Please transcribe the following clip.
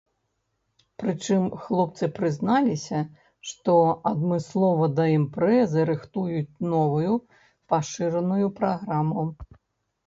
Прычым, хлопцы прызналіся, што адмыслова да імпрэзы рыхтуюць новую пашыраную праграму.